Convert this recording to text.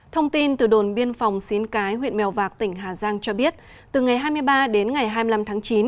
thông tin từ đồn biên phòng xín cái huyện mèo vạc tỉnh hà giang cho biết từ ngày hai mươi ba đến ngày hai mươi năm tháng chín